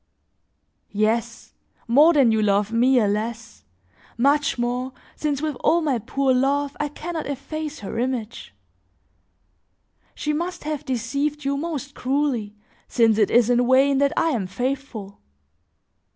Yes, more than you love me, alas! much more, since with all my poor love I can not efface her image; she must have deceived you most cruelly since it is in vain that I am faithful!